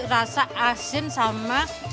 rasa asin sama